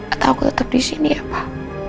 atau aku tetap di sini ya pak